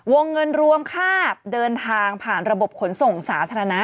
วงเงินรวมค่าเดินทางผ่านระบบขนส่งสาธารณะ